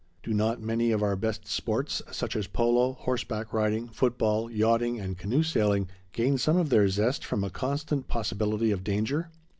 Do not many of our best sports, such as polo, horseback riding, foot ball, yachting, and canoe sailing, gain some of their zest from a constant possibility of danger?